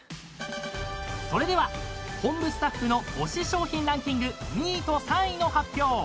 ［それでは本部スタッフの推し商品ランキング２位と３位の発表］